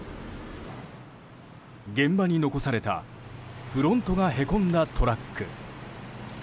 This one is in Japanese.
現場に残されたフロントがへこんだトラック。